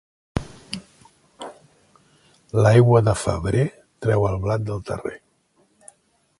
L'aigua de febrer treu el blat del terrer.